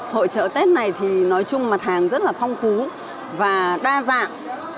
hội trợ tết này thì nói chung mặt hàng rất là phong phú và đa dạng